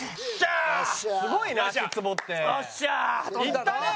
いったね！